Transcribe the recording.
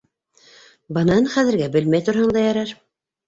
- Быныһын хәҙергә белмәй торһаң да ярар.